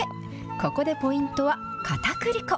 ここでポイントはかたくり粉。